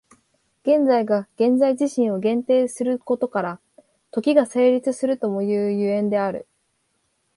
現在が現在自身を限定することから、時が成立するともいう所以である。